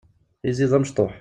Izzi d amecṭuḥ.